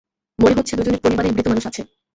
মনে হচ্ছে দুজনের পরিবারেই মৃত মানুষ আছে।